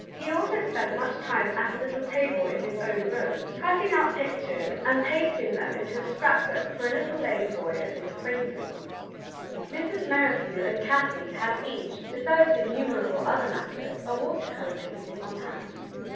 He also spent much time at a little table in his own room, cutting out pictures and 83 84 Our Little Canadian Cousin pasting them into a scrap book for a little lame boy of his acquaintance. Mrs. Merrithew and Kathie had each, be sides innumerable other matters, a water colour painting on hand.